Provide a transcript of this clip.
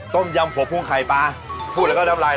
ส่งสักตัวเลยรอดหน่อย